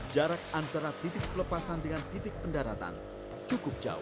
jarak antara titik pelepasan dengan titik pendaratan cukup jauh